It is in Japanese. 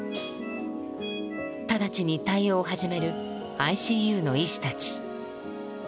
直ちに対応を始めるＩＣＵの医師たち。